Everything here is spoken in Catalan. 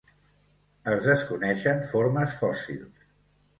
Es desconeixen formes fòssils.